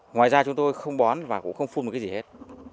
ngoài ra chúng tôi không bón và cũng không phun được cái gì hết